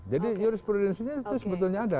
jadi jurisprudensinya itu sebetulnya ada